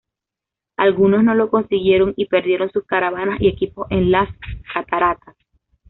Algunos no lo consiguieron y perdieron sus caravanas y equipos en las cataratas.